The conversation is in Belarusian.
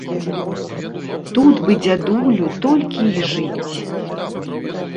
Тут бы дзядулю толькі і жыць!